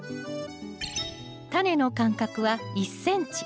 タネの間隔は１ｃｍ。